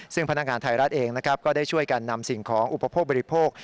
ซึ่งพนักการณ์ไทรัฐเองก็ได้ช่วยการนำสิ่งของอุปโภคบริโภค